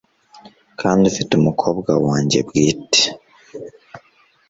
kandi ufite umukobwa wanjye bwite